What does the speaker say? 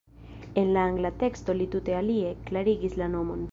En la angla teksto li tute alie klarigis la nomon.